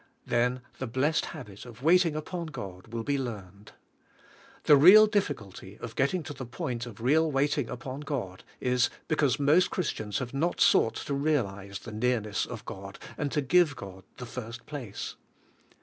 Then the blessed habit of waiting upon God will be learned. The real difficulty of getting to the point of real waiting upon God, is because most Chris tians have not sought to realize the nearness of God, and to give God the first place.